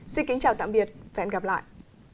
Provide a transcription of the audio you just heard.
xin kính chào tạm biệt và hẹn gặp lại